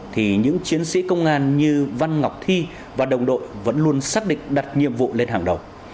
thì những chiến sĩ công an như văn ngọc thi và đồng đội vẫn luôn xác định đặt nhiệm vụ lên hàng đầu